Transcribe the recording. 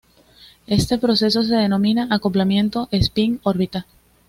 Este proceso se denomina acoplamiento espín-órbita.